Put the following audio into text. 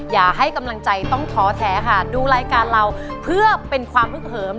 อย่าให้กำลังใจต้องท้อแท้ค่ะดูรายการเราเพื่อเป็นความฮึกเหิม